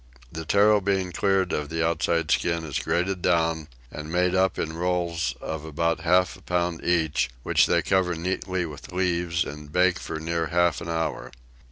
The tarro being cleared of the outside skin is grated down, and made up in rolls of about half a pound each, which they cover neatly with leaves and bake for near half an hour.